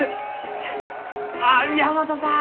ああ宮本さん